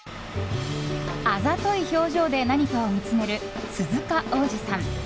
あざとい表情で何かを見つめる鈴鹿央士さん。